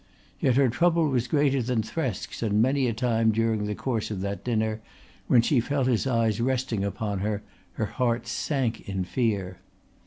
Yet her trouble was greater than Thresk's, and many a time during the course of that dinner, when she felt his eyes resting upon her, her heart sank in fear.